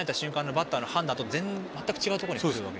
バッターの判断と全く違うところに来ると。